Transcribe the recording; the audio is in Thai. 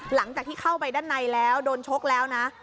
หลังจากที่เข้าไปด้านในแล้วโดนชกแล้วนะ